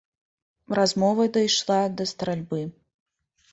Размова дайшла да стральбы.